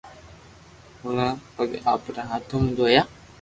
اورا پگ آپري ھاٿو مون دويا